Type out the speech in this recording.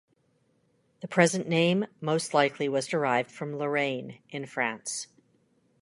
The present name most likely was derived from Lorraine, in France.